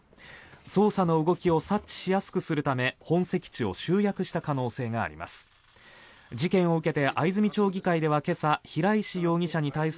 捜査の動きを察知しやすくするため本籍地を集約した可能性があります。